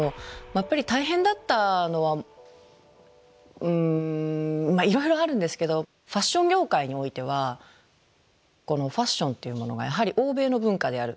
やっぱり大変だったのはうんいろいろあるんですけどファッション業界においてはこのファッションっていうものがやはり欧米の文化である。